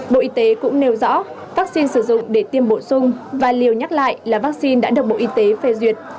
bộ y tế cũng nêu rõ vaccine sử dụng để tiêm bổ sung và liều nhắc lại là vaccine đã được bộ y tế phê duyệt